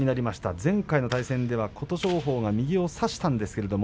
前回の対戦では琴勝峰が右を差したんですけども